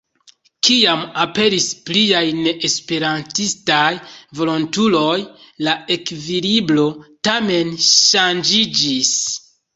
Kiam aperis pliaj neesperantistaj volontuloj la ekvilibro tamen ŝanĝiĝis.